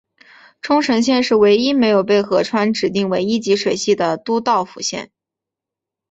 冲绳县是唯一没有河川被指定为一级水系的都道府县。